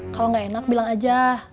kalau nggak enak bilang aja